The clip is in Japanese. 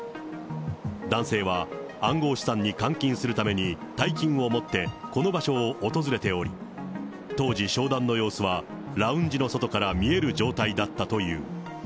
男性は暗号資産に換金するために大金を持って、この場所を訪れており、当時、商談の様子はラウンジの外から見える状態だったという。